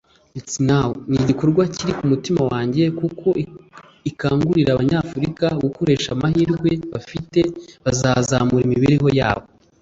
It’s now’ ni igikorwa cyri ku mutima wanjye kukoikangurira abanyafurika gukoresha amahirwe bafite bazazamura imibereho yabo